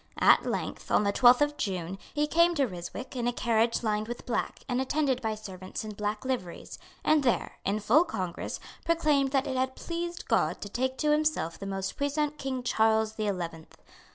At length, on the twelfth of June, he came to Ryswick in a carriage lined with black and attended by servants in black liveries, and there, in full congress, proclaimed that it had pleased God to take to himself the most puissant King Charles the Eleventh.